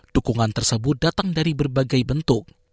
dukungan tersebut datang dari berbagai bentuk